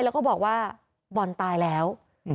แล้วก็บอกว่าบอลตายแล้ว